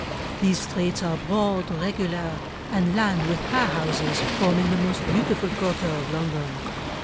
These streets are broad, regular, and lined with high houses forming the most beautiful quarter of London.